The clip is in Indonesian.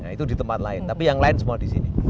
itu di tempat lain tapi yang lain semua disini